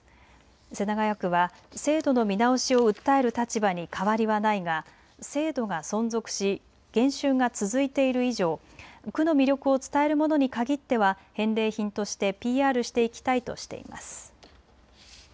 世田谷区は制度の見直しを訴える立場に変わりはないが制度が存続し減収が続いている以上、区の魅力を伝えるものに限っては返礼品としてＰＲしていきたいとしています。